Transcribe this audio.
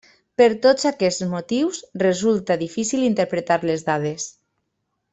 Per tots aquests motius resulta difícil interpretar les dades.